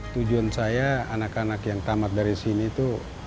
tujuan saya anak anak yang tamat dari sini itu